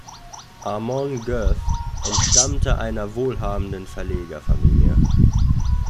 Amon Göth entstammte einer wohlhabenden Verlegerfamilie.